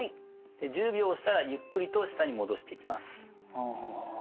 で１０秒したらゆっくりと下に戻していきます。